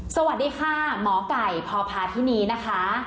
สวัสดีค่ะหมอไก่พอพาที่นี้นะคะ